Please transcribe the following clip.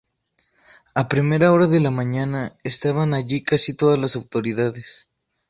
A primera hora de la mañana, estaban allí casi todas las autoridades.